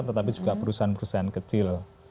tetapi juga perusahaan perusahaan kecil